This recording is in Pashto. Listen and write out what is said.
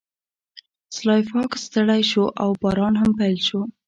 سلای فاکس ستړی شو او باران هم پیل شو